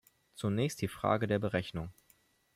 Zunächst die Frage der Berechnung.